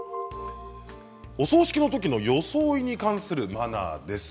お葬式のときの装いに関するマナーです。